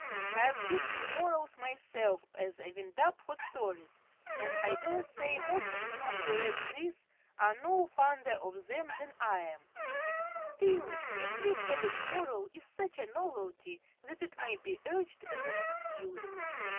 I object to morals myself as a wind up for stories, and I dare say most of you who read this are no fonder of them than I am; still, a three headed moral is such a novelty that it may be urged as an excuse.